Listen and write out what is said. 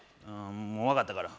もう分かったから。